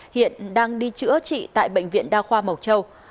hiện đang đi chữa trị tại bệnh viện đa khoa mộc châu